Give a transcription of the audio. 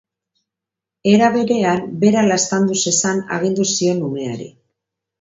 Era berean, bera laztandu zezan agindu zion umeari.